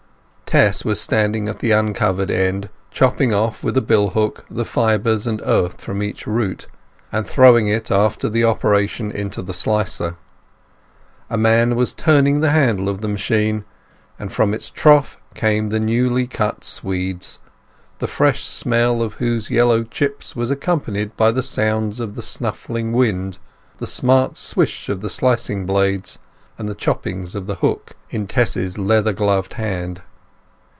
Tess was standing at the uncovered end, chopping off with a bill hook the fibres and earth from each root, and throwing it after the operation into the slicer. A man was turning the handle of the machine, and from its trough came the newly cut swedes, the fresh smell of whose yellow chips was accompanied by the sounds of the snuffling wind, the smart swish of the slicing blades, and the choppings of the hook in Tess's leather gloved hand.